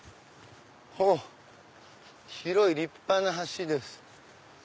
広い立派な橋です。